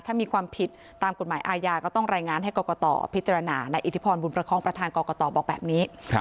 ถ้ามีความผิดตามกฎหมายอาญาก็ต้องรายงานให้กรกตพิจารณาในอิทธิพรบุญประคองประธานกรกตบอกแบบนี้